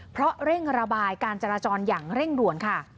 เพราะเร่งระบายการจราจรอย่างเร่งด่วนค่ะ